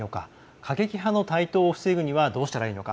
過激派の台頭を防ぐにはどうしたらいいのか。